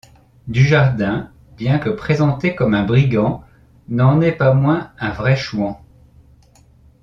Dujardin, bien que présenté comme un brigand, n'en est pas moins un vrai chouan.